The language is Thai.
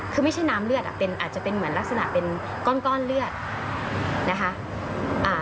คือไม่ใช่น้ำเลือดอ่ะเป็นอาจจะเป็นเหมือนลักษณะเป็นก้อนเลือดนะคะ